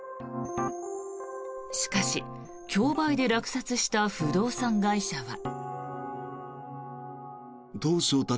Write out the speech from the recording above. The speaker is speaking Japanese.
しかし競売で落札した不動産会社は。